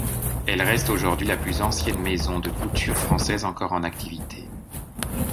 Elle reste aujourd’hui la plus ancienne maison de couture française encore en activité.